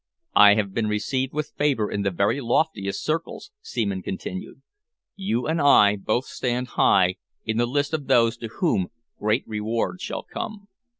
"I have been received with favour in the very loftiest circles," Seaman continued. "You and I both stand high in the list of those to whom great rewards shall come.